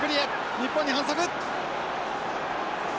日本に反則。